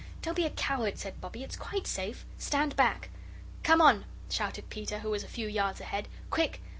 "Don't be a coward," said Bobbie; "it's quite safe. Stand back." "Come on," shouted Peter, who was a few yards ahead. "Quick!